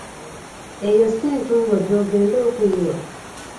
Eyo si ntungo gy'ogenda okuyiwa?